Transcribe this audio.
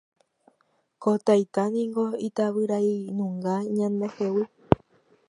Ko taita niko itavyrainunga ñandehegui